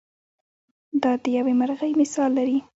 دا د یوې مرغۍ مثال لري.